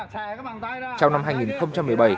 trong năm hai nghìn một mươi bảy